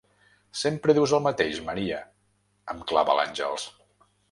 Sempre dius el mateix, Maria –em clava l'Àngels.